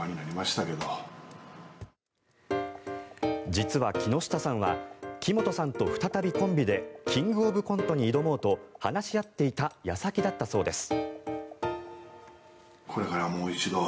実は、木下さんは木本さんと再びコンビでキングオブコントに挑もうと話し合っていた矢先だったそうです。